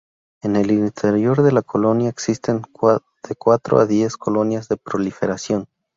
En el interior de la colonia existen de cuatro a diez colonias de proliferación.